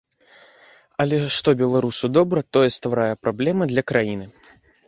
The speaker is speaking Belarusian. Але што беларусу добра, тое стварае праблемы для краіны.